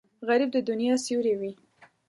غریب د دنیا سیوری وي